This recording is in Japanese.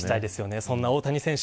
そんな大谷選手。